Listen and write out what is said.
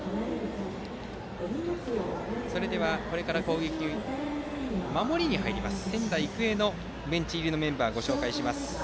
これから守りに入る仙台育英のベンチ入りのメンバーをご紹介します。